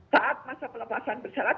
saat masa pelepasan bersyarat